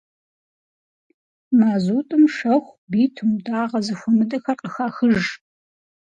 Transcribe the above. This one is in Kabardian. Мазутӏым шэху, битум, дагъэ зэхуэмыдэхэр къыхахыж.